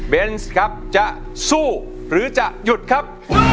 เบนส์ครับจะสู้หรือจะหยุดครับ